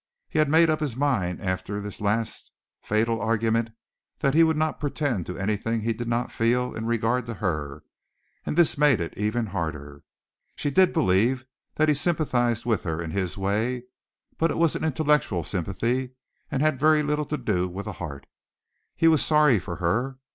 He had made up his mind after this last fatal argument that he would not pretend to anything he did not feel in regard to her, and this made it even harder. She did believe that he sympathized with her in his way, but it was an intellectual sympathy and had very little to do with the heart. He was sorry for her.